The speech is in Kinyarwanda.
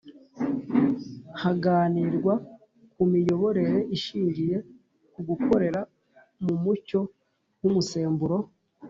haganirwa ku miyoborere ishingiye ku gukorera mu mucyo nk umusemburo